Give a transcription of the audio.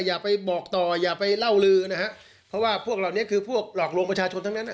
อย่าไปบอกต่ออย่าไปเล่าลือนะฮะเพราะว่าพวกเหล่านี้คือพวกหลอกลวงประชาชนทั้งนั้น